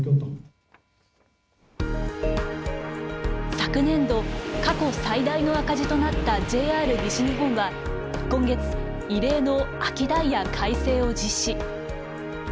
昨年度、過去最大の赤字となったＪＲ西日本は今月、異例の秋ダイヤ改正を実施。